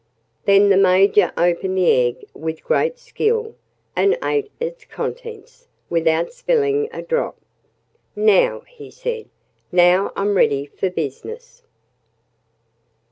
Then the Major opened the egg with great skill, and ate its contents without spilling a drop. "Now," he said, "now I'm ready for business."